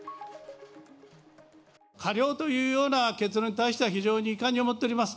科料というような結論に対しては非常に遺憾に思っております。